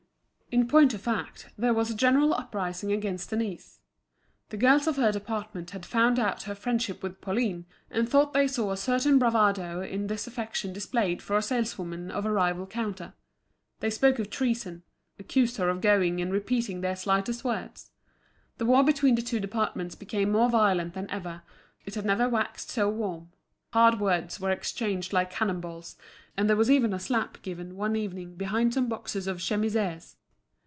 In point of fact, there was a general uprising against Denis. The girls of her department had found out her friendship with Pauline, and thought they saw a certain bravado in this affection displayed for a saleswoman of a rival counter. They spoke of treason, accused her of going and repeating their slightest words. The war between the two departments became more violent than ever, it had never waxed so warm; hard words were exchanged like cannon balls, and there was even a slap given one evening behind some boxes of chemises.